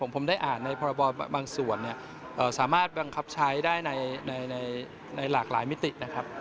ผมได้อ่านในพรบบางส่วนสามารถบังคับใช้ได้ในหลากหลายมิตินะครับ